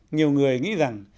nhiều người nghĩ rằng